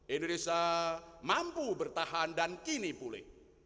indonesia mampu bertahan dan kini pulih